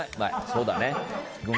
そうだね。